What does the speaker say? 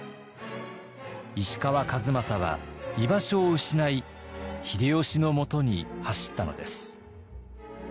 石川数正は居場所を失い秀吉のもとに走ったのです。